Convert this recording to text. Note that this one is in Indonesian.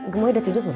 gemoy udah tidur belum